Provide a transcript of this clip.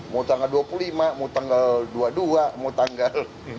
mau tanggal dua puluh lima mau tanggal dua puluh dua mau tanggal